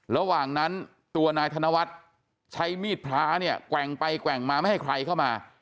ระหว่างนั้นตัวนายธนวัฒน์ใช้มีดพระเนี่ยแกว่งไปแกว่งมาไม่ให้ใครเข้ามา